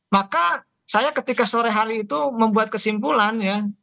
maka saya ketika sore hari itu membuat kesimpulan ya